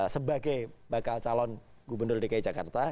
sebagai bakal calon gubernur dki jakarta